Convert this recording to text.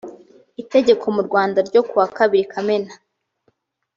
itegeko mu rwanda ryo kuwa kabiri kamena